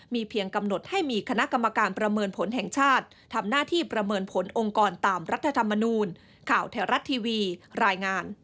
เพียงกำหนดให้มีคณะกรรมการประเมินผลแห่งชาติทำหน้าที่ประเมินผลองค์กรตามรัฐธรรมนูล